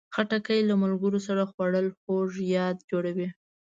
خټکی له ملګرو سره خوړل خوږ یاد جوړوي.